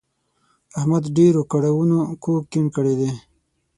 احمد ډېرو کړاوونو کوږ کیڼ کړی دی.